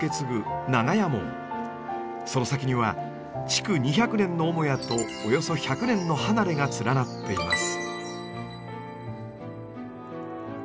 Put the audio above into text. その先には築２００年の母屋とおよそ１００年の離れが連なっています。